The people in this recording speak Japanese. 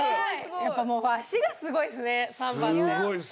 やっぱもう足がすごいですねサンバって。